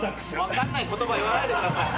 分かんない言葉言わないでください。